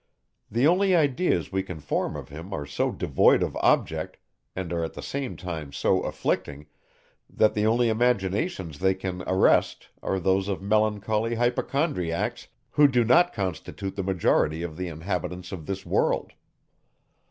The only ideas we can form of him are so devoid of object, and are at the same time so afflicting, that the only imaginations they can arrest are those of melancholy hypochondriacs, who do not constitute the majority of the inhabitants of this world.